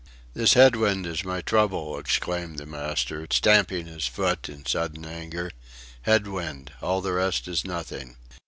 "This head wind is my trouble," exclaimed the master, stamping his foot in sudden anger; "head wind! all the rest is nothing."